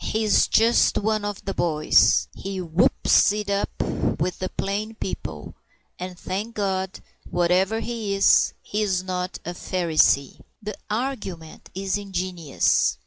He is just one of the boys. He whoops it up with the plain people, and, thank God, whatever he is, he is not a Pharisee. The argument is ingenious.